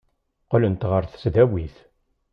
Qqlent ɣer tesdawit.